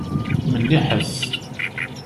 Melliḥet.